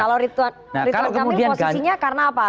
kalau ridwan kamil posisinya karena apa